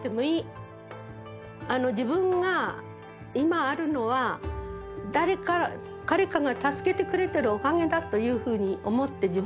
自分が今あるのは誰かが助けてくれてるおかげだというふうに思って。